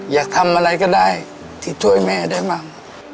อยากทำอะไรก็ได้ที่ช่วยแม่ได้มั่ง